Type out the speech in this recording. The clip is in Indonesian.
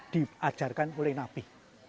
diajarkan oleh nabi